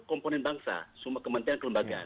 komponen bangsa semua kementerian kelembagaan